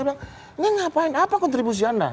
bilang ini ngapain apa kontribusi anda